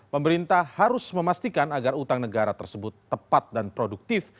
pemerintah harus memastikan agar utang negara tersebut tepat dan produktif